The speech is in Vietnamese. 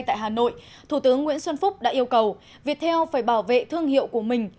tại hà nội thủ tướng nguyễn xuân phúc đã yêu cầu viettel phải bảo vệ thương hiệu của mình